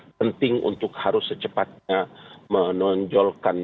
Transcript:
penting untuk harus secepatnya menonjolkan